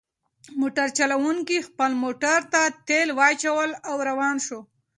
موټر چلونکي خپل موټر ته تیل واچول او روان شو.